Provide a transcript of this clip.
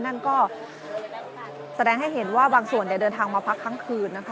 นั่นก็แสดงให้เห็นว่าบางส่วนเดินทางมาพักทั้งคืนนะคะ